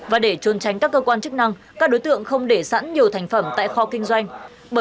và để trôn tránh các cơ quan chức năng các đối tượng không để sẵn nhiều thành phẩm tại kho kinh doanh